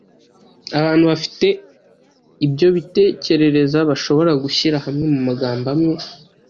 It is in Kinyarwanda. Abantu bafite ibyo bitekerereza bashobora gushyira hamwe amagambo amwe